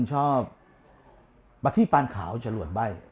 ชอบมาที่ปานขาวจรวดใบ้